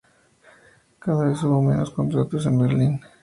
Cada vez hubo menos contratos en Berlín.